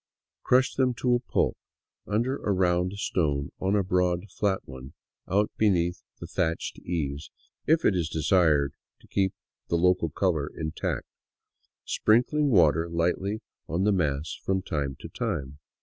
Crush them to a pulp — under a round stone on a broad flat one out beneath the thatched eaves, if it is desired to keep the local color intact — sprinkling water lightly on the mass from time to time.